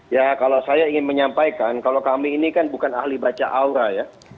ya kalau saya ingin menyampaikan kalau kami ini kan bukan ahli baca aura ya